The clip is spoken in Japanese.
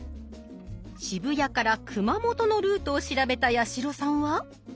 渋谷から熊本のルートを調べた八代さんは。